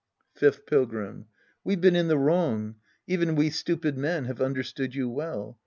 Fifth Pilgrim. We've been in the wrong. Even we stupid men ha', e un.derstood you well.